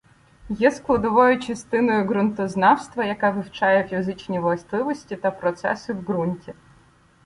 Є складовою частиною ґрунтознавства, яка вивчає фізичні властивості та процеси в ґрунті.